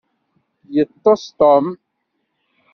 Yeṭṭes Tom.